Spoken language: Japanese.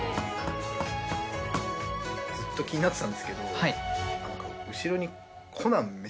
ずっと気になってたんですけど後ろに。